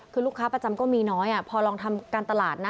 คือลูกค้าประจำก็มีน้อยพอลองทำการตลาดนะ